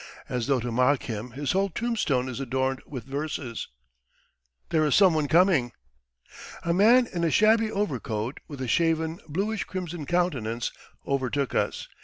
... As though to mock him his whole tombstone is adorned with verses. ... There is someone coming!" A man in a shabby overcoat, with a shaven, bluish crimson countenance, overtook us.